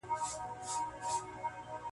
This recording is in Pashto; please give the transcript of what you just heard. مُلایانو به زکات ولي خوړلای,